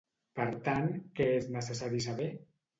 Per tant, què és necessari saber?